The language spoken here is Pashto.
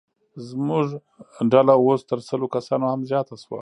زموږ ډله اوس تر سلو کسانو هم زیاته شوه.